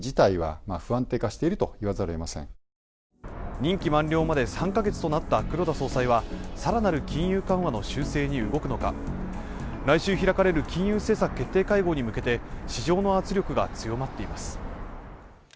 任期満了まで３カ月となった黒田総裁はさらなる金融緩和の修正に動くのか来週開かれる金融政策決定会合に向けて市場の圧力が強まっています